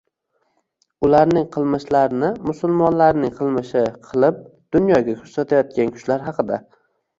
ularning qilmishlarini “musulmonlarning qilmishi” qilib dunyoga ko‘rsatayotgan kuchlar haqida